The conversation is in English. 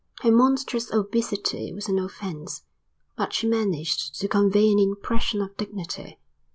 Her monstrous obesity was an offence, but she managed to convey an impression of dignity.